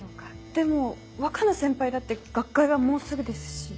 でも若菜先輩だって学会はもうすぐですし。